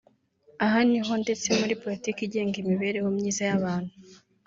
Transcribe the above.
Aha niho ndetse muri politiki igenga imibereho myiza y’abantu